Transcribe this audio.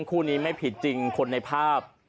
คู่นี้ไม่ผิดจริงคนในภาพ